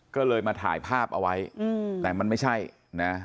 ก็เลยมาถ่ายภาพเอาไว้อืมแต่มันไม่ใช่นะ